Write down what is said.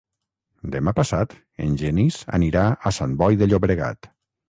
Demà passat en Genís anirà a Sant Boi de Llobregat.